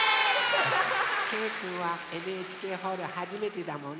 けいくんはＮＨＫホールはじめてだもんね。